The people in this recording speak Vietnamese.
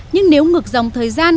nhưng nếu ngược dòng thời gian